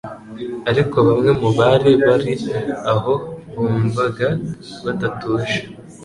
Ariko bamwe mu bari bari aho bumvaga badatuje,